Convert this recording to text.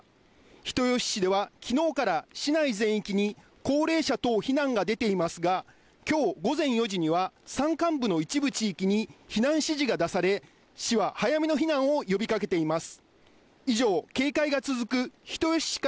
人吉市では昨日から市内全域に高齢者等避難が出ていますが、今日午前４時には、山間部の一部地域に避難指示が出され、市は早めの避難を呼びかけています。